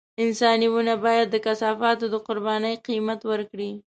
انساني وينه بايد د کثافاتو د قربانۍ قيمت ورکړي.